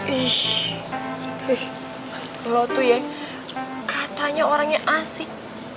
ih lo tuh ya katanya orangnya asik